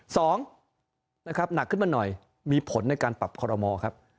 สองนะครับหนักขึ้นมาหน่อยมีผลในการปรับคอรมอครับ